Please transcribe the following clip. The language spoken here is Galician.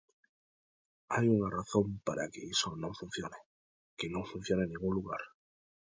Hai unha razón para que iso non funcione, que non funciona en ningún lugar.